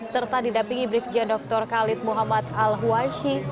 serta didampingi berkejian dr khalid muhammad al huwaisi